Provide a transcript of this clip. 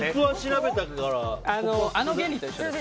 あの原理と一緒です。